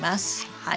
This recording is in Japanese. はい。